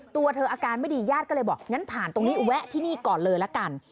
ตัวเธออาการไม่ดีญาติก็เลยบอกงั้นผ่านตรงนี้แวะที่นี่ก่อนเลยละกัน